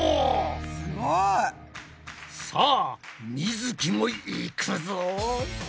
すごい！さあみづきもいくぞ！